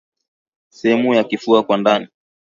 sehemu ya kifua kwa ndani